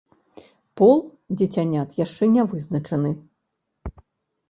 Пол дзіцянят яшчэ не вызначаны.